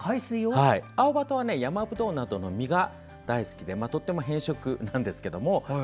アオバトはヤマブドウなどの実が大好きでとっても偏食なんですけど。